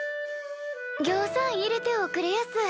ぎょうさん入れておくれやす。